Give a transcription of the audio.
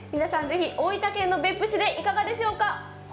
ぜひ、大分県の別府市でいかがでしょうか。